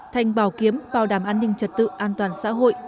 thành bảo kiếm bảo đảm an ninh trật tự an toàn xã hội